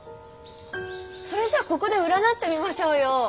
それじゃあここで占ってみましょうよォ！